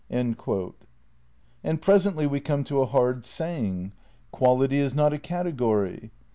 ' And presently we come to a hard saying. '' Quality is not a category."